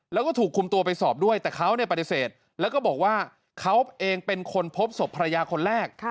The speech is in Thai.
แล้วก็ถูกคุมตัวไปสอบด้วยแต่เขาปฏิเสธแล้วก็บอกว่าเขาเองเป็นคนพบศพภรรยาคนแรก